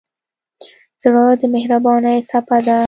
زړه د مهربانۍ څپه ده.